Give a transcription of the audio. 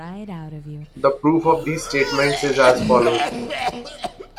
The proof of these statements is as follows.